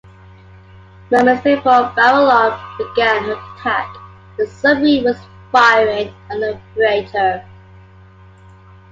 Moments before "Baralong" began her attack, the submarine was firing on the freighter.